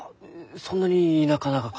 そんなに田舎ながか？